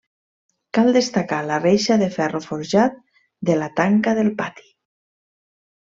Cal destacar la reixa de ferro forjat de la tanca del pati.